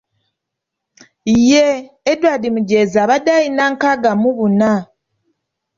Ye Edward Mujeza abadde alina nkaaga mu buna.